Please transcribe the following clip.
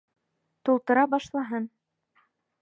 Тултыра башлаһын.